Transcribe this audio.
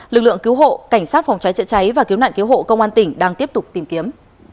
lực lượng cứu hộ cảnh sát phòng cháy chữa cháy và cứu nạn cứu hộ công an tỉnh đang tiếp tục tìm kiếm